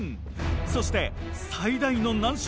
そして最大の難所。